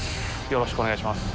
よろしくお願いします。